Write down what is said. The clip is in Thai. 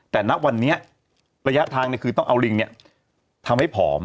แต่ณวันนี้ระยะทางคือต้องเอาลิงทำให้ผอม